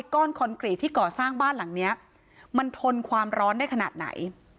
คอนกรีตที่ก่อสร้างบ้านหลังเนี้ยมันทนความร้อนได้ขนาดไหน